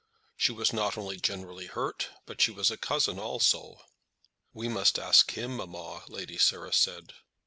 She was not only generally hurt, but she was a cousin, also. "We must ask him, mamma," Lady Sarah said.